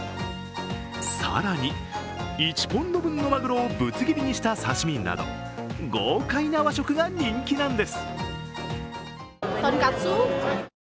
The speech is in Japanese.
更に、１ポンド分のマグロをぶつ切りにした刺身など豪快な和食が人気なんです。